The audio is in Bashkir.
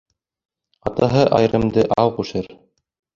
Атаһы айырымды ау ҡушыр